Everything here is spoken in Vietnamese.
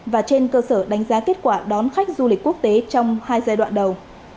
và trên cơ sở đánh giá kết quả đón khách du lịch quốc tế trong hai giai đoạn đầu